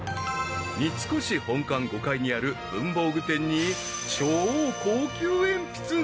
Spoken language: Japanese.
［三越本館５階にある文房具店に超高級鉛筆が］